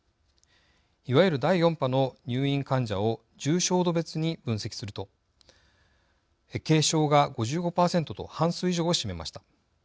いわゆる第４波の入院患者を重症度別に分析すると軽症が５５％と半数以上を占めました。